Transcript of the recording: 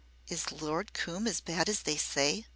"Is Lord Coombe as bad as they say?"